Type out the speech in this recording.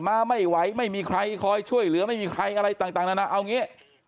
มาไม่ไหวไม่มีใครคอยช่วยเหลือไม่มีใครอะไรต่างนานาเอาอย่างนี้